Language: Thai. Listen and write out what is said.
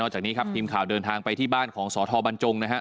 จากนี้ครับทีมข่าวเดินทางไปที่บ้านของสทบรรจงนะครับ